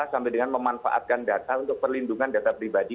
sampai dengan memanfaatkan data untuk perlindungan data pribadi